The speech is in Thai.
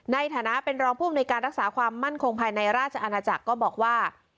ในฐานะเป็นรองผู้อำนวยการรักษาความมั่นคงภายในราชอาณาจักรก็บอกว่า